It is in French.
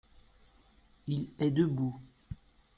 Il est debout.